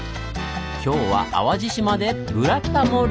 今日は淡路島で「ブラタモリ」！